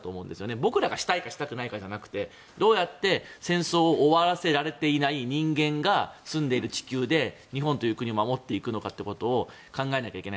僕らがしたいしたくないということじゃなくてどうやって戦争を終わらせられていない人間が住んでいる地球で日本という国を守っていくのかを考えなきゃいけない。